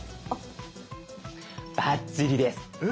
バッチリです。え？